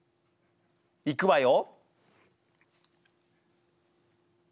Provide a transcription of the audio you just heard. いくわよ！